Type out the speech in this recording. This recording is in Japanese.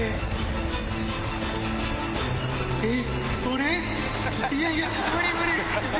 えっ。